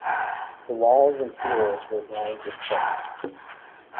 The walls and floors were lined with clay.